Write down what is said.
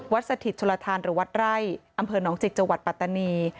วัดสถิตชลทานหรือวัดไร่อำเภอน้องจิกจปัตตานี